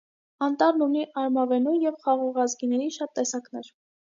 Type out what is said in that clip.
Անտառն ունի արմավենու և խաղողազգիների շատ տեսակներ։